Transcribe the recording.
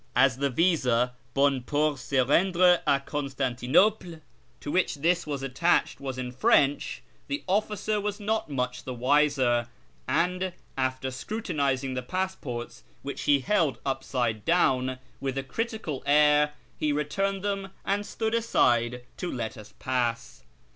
As the visa —" hon pour sc rendrc a Constantinople "— to which this was attached was in French, the officer was not much the wiser, and, after scrutinising the passports (which he held upside down) with a critical air, he returned them and stood aside to let us pass.